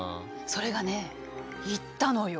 それがねいったのよ。